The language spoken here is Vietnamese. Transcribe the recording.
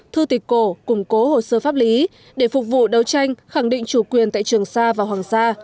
thư tịch cổ củng cố hồ sơ pháp lý để phục vụ đấu tranh khẳng định chủ quyền tại trường sa và hoàng sa